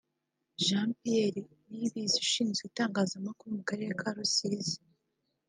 Jean Piere Niyibizi Ushinzwe Itangazamakuru mu Karere ka Rusizi